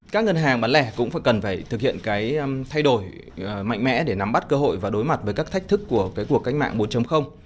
các ngân hàng bán lẻ cũng phải cần phải thực hiện cái thay đổi mạnh mẽ để nắm bắt cơ hội và đối mặt với các thách thức của cuộc cách mạng bốn